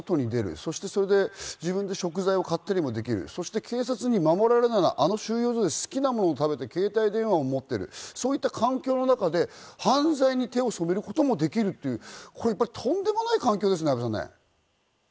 そして自分で食材を買ってでもできる、そして警察に、あの収容所で好きなものを食べて、携帯電話も持っている、そういう環境の中で犯罪に手を染めることもできるという、とんでもない環境ですね。